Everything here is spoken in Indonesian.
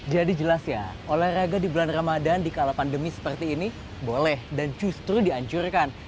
jadi jelas ya olahraga di bulan ramadan di kala pandemi seperti ini boleh dan justru di ancurkan